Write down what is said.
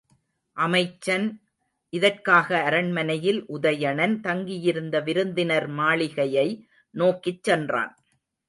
அமைச்சன் இதற்காக அரண்மனையில் உதயணன் தங்கியிருந்த விருந்தினர் மாளிகையை நோக்கிச் சென்றான்.